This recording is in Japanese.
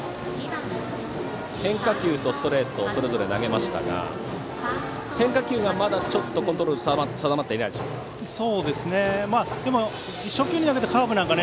変化球とストレートそれぞれ投げましたが変化球がまだちょっとコントロール定まっていませんか。